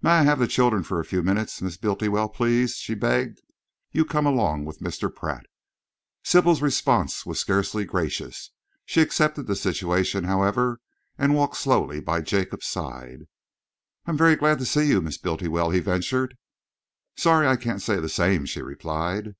"May I have the children for a few minutes, Miss Bultiwell, please?" she begged. "You come along with Mr. Pratt." Sybil's response was scarcely gracious. She accepted the situation, however, and walked slowly by Jacob's side. "I'm very glad to see you, Miss Bultiwell," he ventured. "Sorry I can't say the same," she replied.